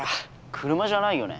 車じゃないよね。